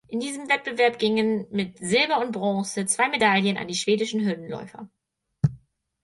In diesem Wettbewerb gingen mit Silber und Bronze zwei Medaillen an die schwedischen Hürdenläufer.